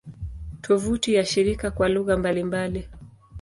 Tovuti ya shirika kwa lugha mbalimbali